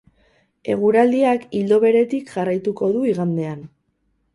Eguraldiak ildo beretik jarraituko du igandean.